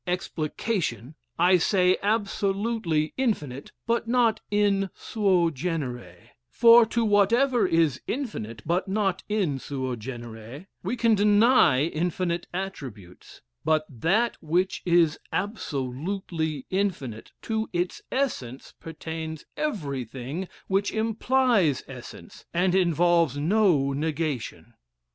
Explication, I say absolutely infinite, but not in suo genere; for to whatever is infinite, but not in suo genere, we can deny infinite attributes; but that which is absolutely infinite, to its essence pertains everything which implies essence, and involves no negation.